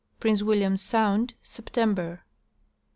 Prince William sound, September.